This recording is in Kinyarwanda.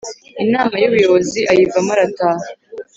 Inama y’Ubuyobozi ayivamo arataha